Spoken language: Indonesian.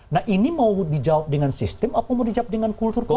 nah ini mau dijawab dengan sistem apa mau dijawab dengan kultural